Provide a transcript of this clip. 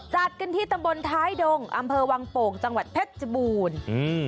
จัดกันที่ตำบลท้ายดงอำเภอวังโป่งจังหวัดเพชรบูรณ์อืม